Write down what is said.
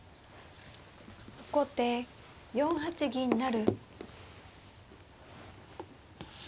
後手４八銀成。